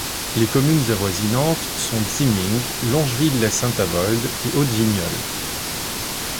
Les communes avoisinantes sont Zimming, Longeville-lès-Saint-Avold et Haute-Vigneulles.